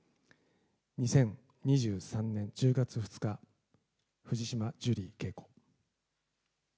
２０２３年１０月２日、藤島ジュリー景子。